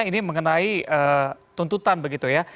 ini mengenai tuntutan begitu ya